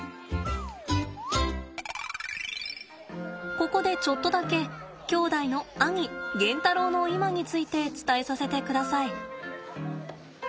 ここでちょっとだけ兄弟の兄ゲンタロウの今について伝えさせてください。